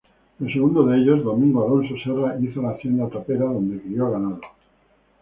El segundo de ellos, Domingos Afonso Serra, hizo la Hacienda Tapera, donde crio ganado.